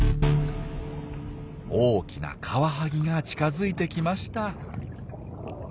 大きなカワハギが近づいてきました。